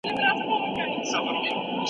ژبه باید په نړۍ کې د پرمختګ سره وي.